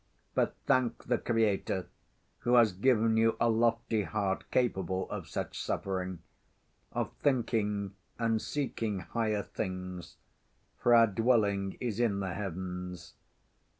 But thank the Creator who has given you a lofty heart capable of such suffering; of thinking and seeking higher things, for our dwelling is in the heavens.